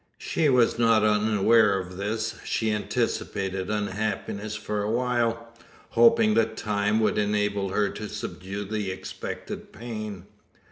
She was not unaware of this. She anticipated unhappiness for a while hoping that time would enable her to subdue the expected pain.